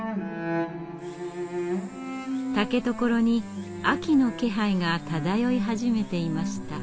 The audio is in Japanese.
竹所に秋の気配が漂い始めていました。